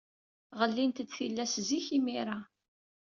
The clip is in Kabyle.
Ɣellint-d tillas zik imir-a.